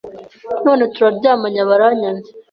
none turaryamanye aba aranyanze